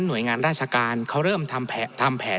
หน่วยงานราชการเขาเริ่มทำแผน